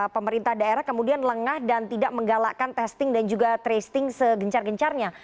pemerintah daerah kemudian lengah dan tidak menggalakkan testing dan juga tracing segencar gencarnya